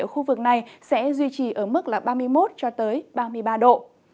ở khu vực này sẽ duy trì ở mức ba mươi một ba mươi ba độ